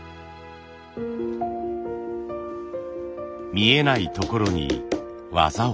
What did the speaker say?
見えないところに技を。